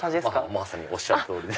まさにおっしゃる通りで。